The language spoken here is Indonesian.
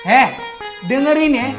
eh dengerin ya